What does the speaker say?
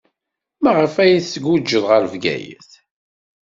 Maɣef ay tguǧǧed ɣer Bgayet?